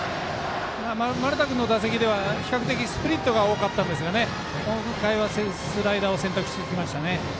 丸田君の打席では比較的、スプリットが多かったんですが今回はスライダーを選択してきましたね。